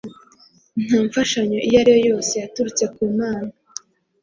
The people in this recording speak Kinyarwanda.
Nta mfashanyo iyo ari yo yose yaturutse ku Mana